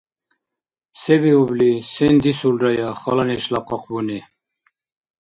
– Се биубли? Сен дисулрая, хала нешла къакъбуни?